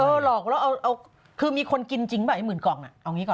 หลอกแล้วเอาคือมีคนกินจริงป่ะไอหมื่นกล่องอ่ะเอางี้ก่อน